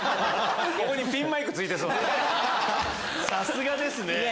さすがですね！